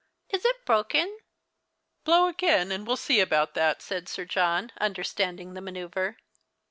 " Is it broken ?"" Blow again, and we'll see about that," said Sir John, understanding the manoeuvre.